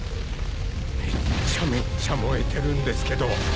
めっちゃめっちゃ燃えてるんですけど。